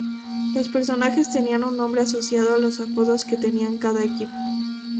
Los personaje tenían un nombre asociado a los apodos que tenían cada equipo.